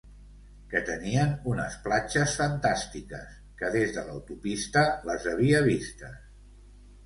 Que tenien unes platges fantàstiques, que des de l'autopista les havia vistes.